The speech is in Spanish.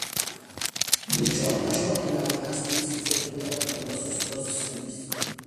Luchó en la Batalla de Hastings y fue premiado con numerosas posesiones.